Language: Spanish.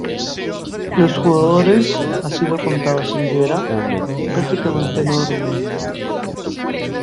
Los jugadores, así lo contaba Silvera, prácticamente no dormían.